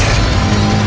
aku rasa cukup